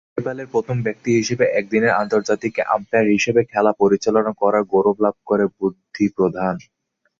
নেপালের প্রথম ব্যক্তি হিসেবে একদিনের আন্তর্জাতিকে আম্পায়ার হিসেবে খেলা পরিচালনা করার গৌরব লাভ করেন বুদ্ধি প্রধান।